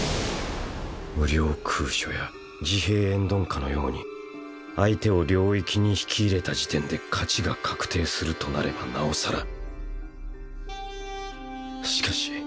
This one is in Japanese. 「無量空処」や「自閉円頓裹」のように相手を領域に引き入れた時点で勝ちが確定するとなればなおさら。